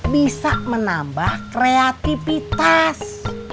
bisa menambah kreatifitas